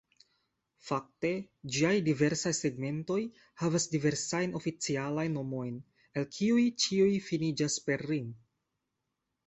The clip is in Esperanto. Fakte ĝiaj diversaj segmentoj havas diversajn oficialajn nomojn, el kiuj ĉiuj finiĝas per "-ring".